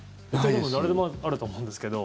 誰でもあると思うんですけど。